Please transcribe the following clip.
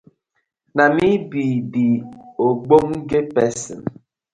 Na mi bi de ogbonge pesin.